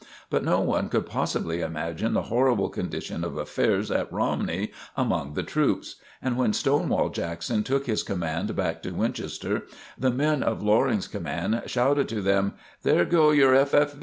But no one could possibly imagine the horrible condition of affairs at Romney among the troops; and when Stonewall Jackson took his command back to Winchester, the men of Loring's command shouted to them: "There go your F.